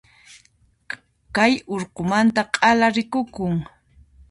Kay urqumanta k'ala rikukun.